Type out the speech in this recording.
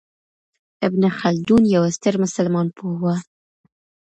ابن خلدون یو ستر مسلمان پوه و.